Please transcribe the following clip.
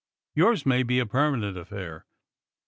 Yours may be a permanent affair."